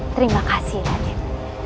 terima kasih raden